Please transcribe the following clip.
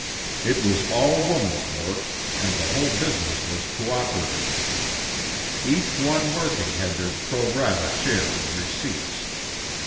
It was all woman's work, and the whole busi ness was co operative. Each one working had their pro rata share in the receipts.